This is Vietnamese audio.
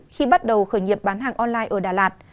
khi bắt đầu khởi nghiệp bán hàng online ở đà lạt